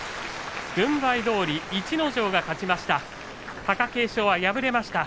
軍配どおり逸ノ城が勝ちました。